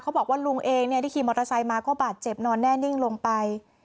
บอกว่าลุงเองที่ขี่มอเตอร์ไซค์มาก็บาดเจ็บนอนแน่นิ่งลงไป